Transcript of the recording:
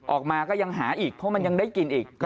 ออกมาก็ยังหาอีกเพราะมันยังได้กินอีก